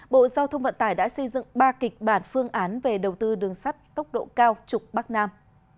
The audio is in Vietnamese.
bộ giao thông vận tải đã xây dựng ba kịch bản phương án về đầu tư đường sắt tốc độ cao trục bắc nam